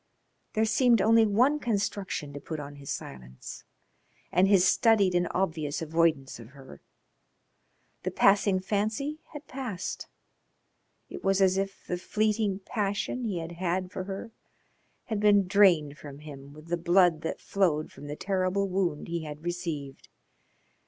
There seemed only one construction to put on his silence, and his studied and obvious avoidance of her. The passing fancy had passed. It was as if the fleeting passion he had had for her had been drained from him with the blood that flowed from the terrible wound he had received.